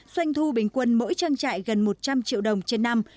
xoanh thu bình quân mỗi trang trại gần một trăm linh triệu đồng trên năm